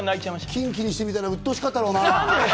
キンキにしてみたら、うっとうしかっただろうな。